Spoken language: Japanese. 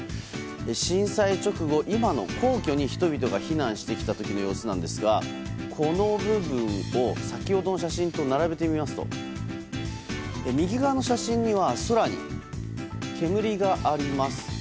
震災直後、今の皇居に人々が避難してきた時の様子ですがこの部分を先ほどの写真と並べてみますと右側の写真には空に煙があります。